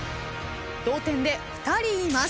同点で２人います。